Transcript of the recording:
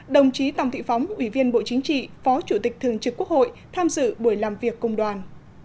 đồng chí tòng thị phóng ủy viên bộ chính trị phó chủ tịch thường trực quốc hội tham dự buổi làm việc công đoàn